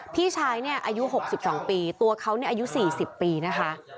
พี่ชายเนี่ยอายุ๖๒ปีตัวเขาอายุ๔๐ปีนะคะ